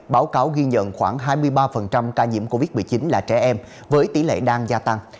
báo cáo ghi nhận khoảng hai mươi ba ca nhiễm covid một mươi chín là trẻ em với tỷ lệ đang gia tăng